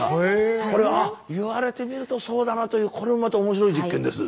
これは「あっ言われてみるとそうだな」というこれもまた面白い実験です。